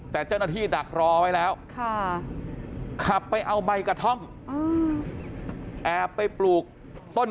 แต่เจ้าหน้าที่ดักรอไว้แล้วขับไปเอาใบกระท่อมแอบไปปลูกต้น